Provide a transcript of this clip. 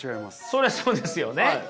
そりゃそうですよね。